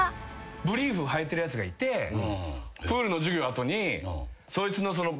ブリーフはいてるやつがいてプールの授業の後に。